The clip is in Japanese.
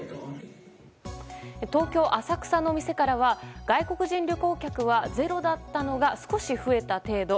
東京・浅草の店からは外国人旅行客はゼロだったのが少し増えた程度。